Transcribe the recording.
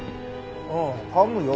ああ噛むよ。